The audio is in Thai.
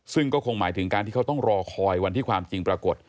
ซึ่งก็คงหมายถึงการที่เขาต้องรอคอยวันที่ความจริงปรากฏ